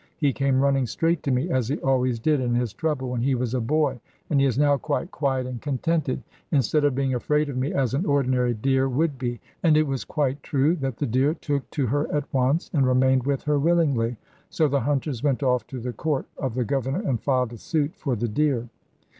He came running straight to me, as he always did in his trouble when he was a boy, and he is now quite quiet and contented, instead of being afraid of me as an ordinary deer would be.' And it was quite true that the deer took to her at once, and remained with her willingly. So the hunters went off to the court of the governor and filed a suit for the deer.